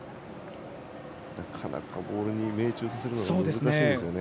なかなかボールに命中させるのが難しいんですね。